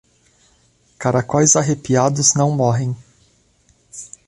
Caracóis arrepiados não morrem.